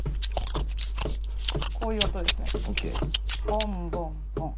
ボンボンボン。